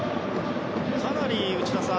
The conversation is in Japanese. かなり内田さん